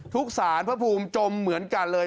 สารพระภูมิจมเหมือนกันเลย